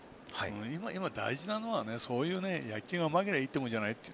今、大事なのは、そういう野球がうまければいいわけじゃないって。